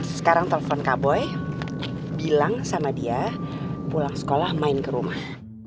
sekarang telpon kaboy bilang sama dia pulang sekolah main kerumah